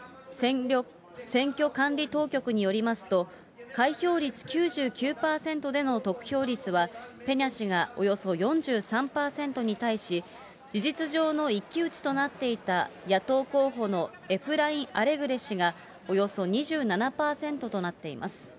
選挙管理当局によりますと、開票率９９％での得票率は、ペニャ氏がおよそ４３％に対し、事実上の一騎打ちとなっていた野党候補のエフライ・アレグレ氏がおよそ２７％となっています。